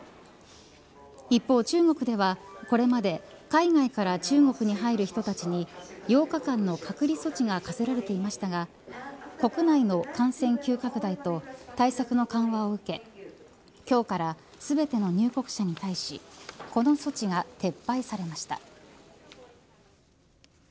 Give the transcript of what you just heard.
一方、中国ではこれまで海外から中国に入る人たちに８日間の隔離措置が課せられていましたが国内の感染急拡大と対策の緩和を受け今日から全ての入国者に対しこの措置が撤廃されました。